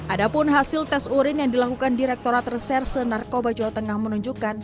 ada pun hasil tes urin yang dilakukan direkturat reserse narkoba jawa tengah menunjukkan